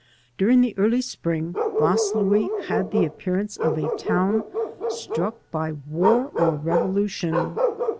\ During the early spring Vaslui had the appearance of a town struck by war or revolution.